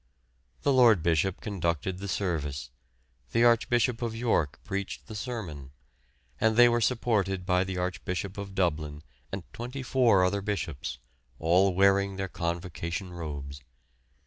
The Lord Bishop conducted the service, the Archbishop of York preached the sermon, and they were supported by the Archbishop of Dublin and twenty four other bishops, all wearing their convocation robes.